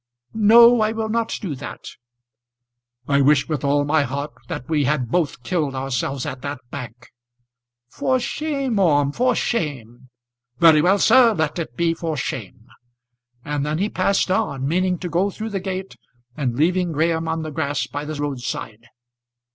"No, I will not do that." "I wish with all my heart that we had both killed ourselves at that bank." "For shame, Orme, for shame!" "Very well, sir; let it be for shame." And then he passed on, meaning to go through the gate, and leaving Graham on the grass by the road side.